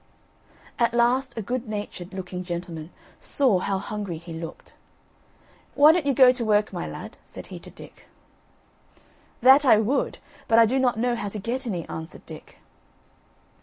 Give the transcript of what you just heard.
At last a good natured looking gentleman saw how hungry he looked. "Why don't you go to work my lad?" said he to Dick. "That I would, but I do not know how to get any," answered Dick.